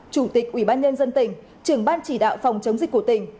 chủ tịch ủy ban nhân dân tỉnh trưởng ban chỉ đạo phòng chống dịch của tỉnh